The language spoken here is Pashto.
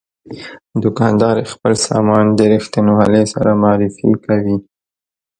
دوکاندار خپل سامان د رښتینولۍ سره معرفي کوي.